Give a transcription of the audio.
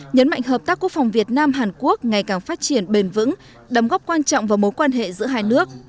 nhấn mạnh hợp tác quốc phòng việt nam hàn quốc ngày càng phát triển bền vững đấm góp quan trọng vào mối quan hệ giữa hai nước